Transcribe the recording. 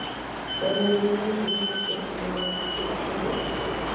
La mayoría de los turistas proceden de otros países asiáticos.